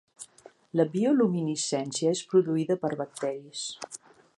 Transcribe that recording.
La bioluminescència és produïda per bacteris.